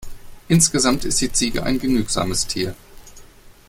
Insgesamt ist die Ziege ein genügsames Tier.